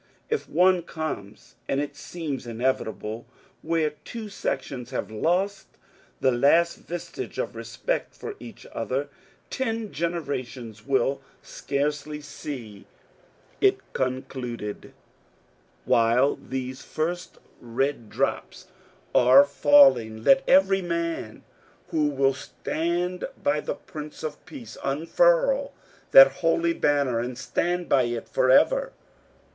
If one comes, and it seems inevitable where two sections have lost the last vestige of respect for each other, ten generations wiU scarcely see it concluded. ..• 240 MONCURE DANIEL CONWAY While these first red drops are falling let every man who will stand by the Prince of Peace unfurl that holy banner and stand by it forever.